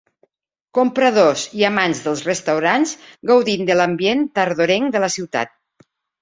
Compradors i amants dels restaurants gaudint de l'ambient tardorenc de la ciutat.